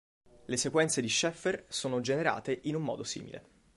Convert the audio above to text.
Le sequenza di Sheffer sono generate in un modo simile.